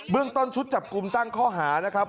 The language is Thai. เรื่องต้นชุดจับกลุ่มตั้งข้อหานะครับ